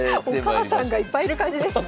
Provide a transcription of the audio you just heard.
お母さんがいっぱいいる感じですね。